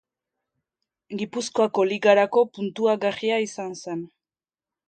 Gipuzkoako Ligarako puntuagarria izan zen.